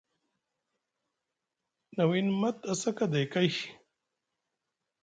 Na wiini Mat a sa kaday kay.